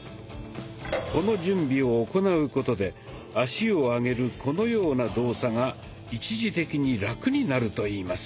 この準備を行うことで足を上げるこのような動作が一時的にラクになるといいます。